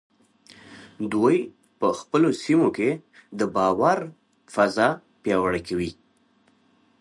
دوی په خپلو سیمو کې د اعتماد فضا پیاوړې کوي.